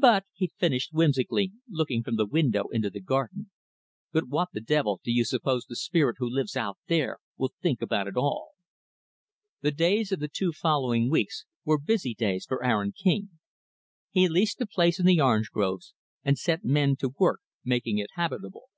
But" he finished whimsically, looking from the window into the garden "but what the devil do you suppose the spirit who lives out there will think about it all." The days of the two following weeks were busy days for Aaron King. He leased the place in the orange groves, and set men to work making it habitable.